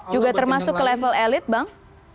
juga termasuk ke level elit bang